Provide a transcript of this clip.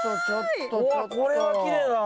うわこれはきれいだな。